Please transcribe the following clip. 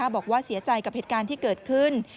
บอกว่าเสียใจกับเหตุการณ์ที่เกิดขึ้น